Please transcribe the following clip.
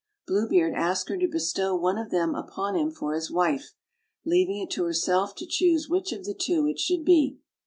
Blue Beard asked her to bestow one of them upon him for his wife, leaving it to herself to choose which of the two it should be.